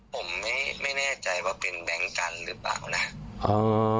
ผมไม่ไม่แน่ใจว่าเป็นแบงค์กันหรือเปล่านะอืม